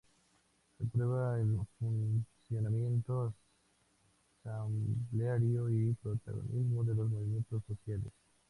Se aprueba el funcionamiento asambleario y el protagonismo de los movimientos sociales.